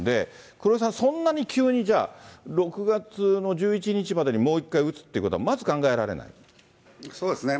黒井さん、そんなに急にじゃあ、６月の１１日までにもう１回うつっていうことそうですね。